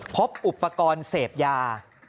พบอุปกรณ์เสพยา